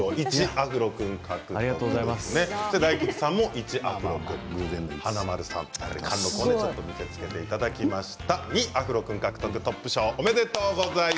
１アフロ君獲得大吉さんも１アフロ君、華丸さん貫録を見せつけていただきました。